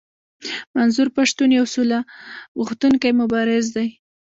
منظور پښتون يو سوله غوښتونکی مبارز دی.